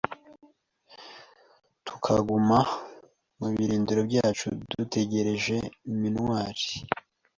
tukaguma mu birindiro byacu dutegereje Minuar,